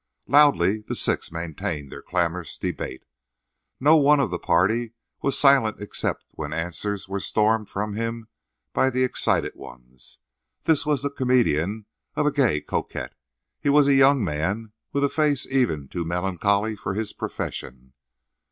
Loudly the six maintained their clamorous debate. No one of the Party was silent except when answers were stormed from him by the excited ones. That was the comedian of "A Gay Coquette." He was a young man with a face even too melancholy for his profession.